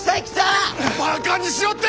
バカにしおって！